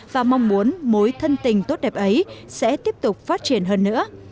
và mong muốn mối thân tình tốt đẹp ấy sẽ tiếp tục phát triển hơn nữa